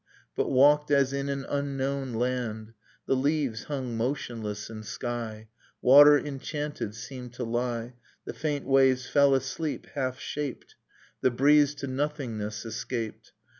But walked as in an unknown land. The leaves hung motionless in sky; Water enchanted seemed to lie; The faint waves fell asleep, half shaped; The breeze to nothingness escaped.